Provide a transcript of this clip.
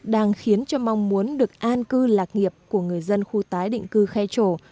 đang khiến cho mong muốn được an cư lạc nghiệp của người dân khu tái định cư khe trổ